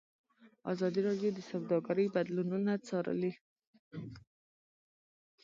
ازادي راډیو د سوداګري بدلونونه څارلي.